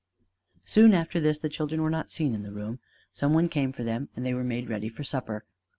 Soon after this the children were not seen in the room. Some one came for them, and they were made ready for supper.